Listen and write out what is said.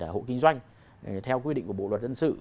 hộ kinh doanh theo quy định của bộ luật dân sự